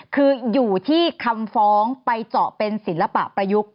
คืออยู่ที่คำฟ้องไปเจาะเป็นศิลปะประยุกต์